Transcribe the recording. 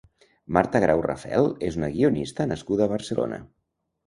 Marta Grau Rafel és una guionista nascuda a Barcelona.